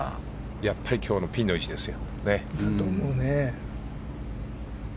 やっぱり今日のピンの位置ですよ。